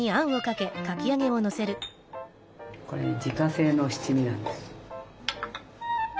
これ自家製の七味なんです。